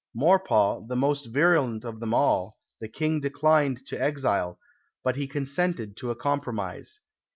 Maurepas, the most virulent of them all, the King declined to exile, but he consented to a compromise.